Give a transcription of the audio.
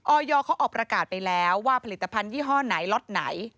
อยเขาออกประกาศไปแล้วว่าผลิตภัณฑ์ยี่ห้อไหนล็อตไหน